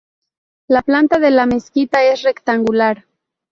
La planta de la mezquita es rectangular.